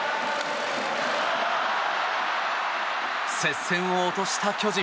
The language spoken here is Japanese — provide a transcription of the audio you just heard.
接戦を落とした巨人。